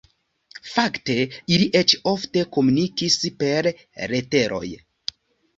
Fakte, ili eĉ ofte komunikis per leteroj.